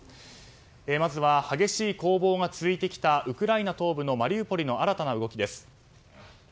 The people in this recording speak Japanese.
まずは、激しい攻防が続いてきたウクライナ東部マリウポリの新たな動きです。